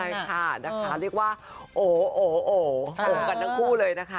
แต่ไม่เป็นไรค่ะเรียกว่าโอ๋โอ๋โอ๋โอ๋กันทั้งคู่เลยนะคะ